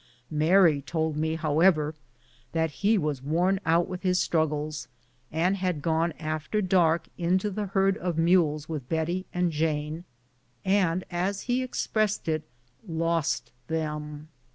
Mary told me, however, that he was worn out with his struggles, and had gone after dark into the herd of mules with Bettie and Jane, and, as he expressed it, " lost them."